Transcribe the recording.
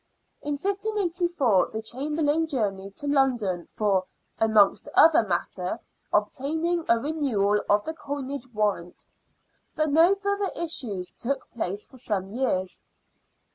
In 1584 the Chamberlain journeyed to London for, amongst other matter, obtaining a renewal of the coinage warrant ; but no further issues took place for some years.